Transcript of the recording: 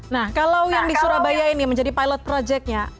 nah kalau yang di surabaya ini menjadi pilot projectnya